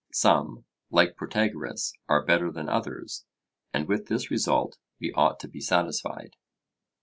Some, like Protagoras, are better than others, and with this result we ought to be satisfied.